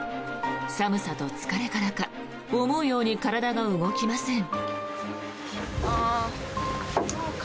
寒さと疲れからか思うように体が動きません。